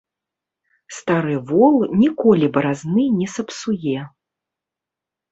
Стары вол ніколі баразны не сапсуе.